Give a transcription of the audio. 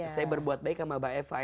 saya berbuat baik sama mbak eva itu biasa